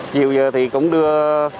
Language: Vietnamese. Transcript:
chiều giờ thì cũng đưa